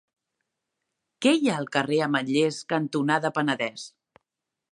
Què hi ha al carrer Ametllers cantonada Penedès?